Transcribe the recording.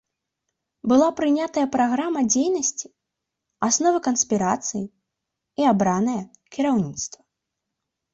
Была прынятая праграма дзейнасці, асновы канспірацыі і абранае кіраўніцтва.